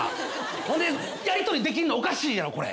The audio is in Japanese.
ほんでやり取りできんのおかしいやろこれ。